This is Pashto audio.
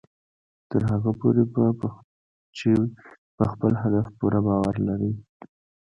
تر هغه پورې چې په خپل هدف پوره باور لرئ